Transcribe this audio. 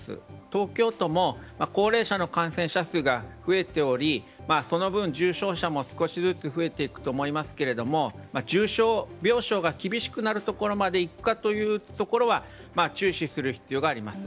東京都も高齢者の感染者数が増えておりその分重症者も少しずつ増えていくと思いますけども重症病床が厳しくなるところまでいくかというところは注視する必要があります。